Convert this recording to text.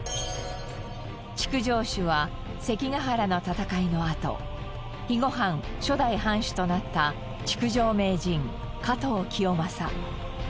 築城主は関ヶ原の戦いのあと肥後藩初代藩主となった築城名人加藤清正。